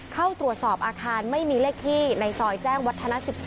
เข้าตรวจสอบอาคารไม่มีเลขที่ในซอยแจ้งวัฒนา๑๔